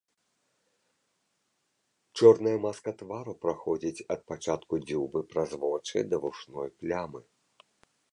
Чорная маска твару праходзіць ад пачатку дзюбы праз вочы да вушной плямы.